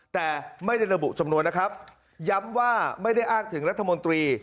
แต่ไม่ได้ระบุจำนวนนะครับย้ำว่าไม่ได้อ้างถึงรัฐมนตรี